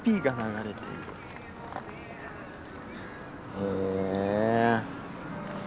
へえ。